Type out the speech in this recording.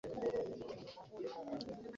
Ataalye ku luno nga bw'alifa